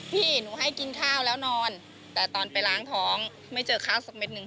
พี่หนูให้กินข้าวแล้วนอนแต่ตอนไปล้างท้องไม่เจอข้าวสักเม็ดหนึ่ง